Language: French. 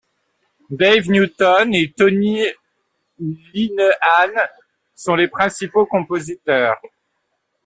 Dave Newton et Tony Linehan sont les principaux compositeurs.